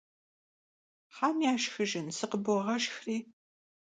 Hem yaşşxıjjın, sıkhıboğeşşxri!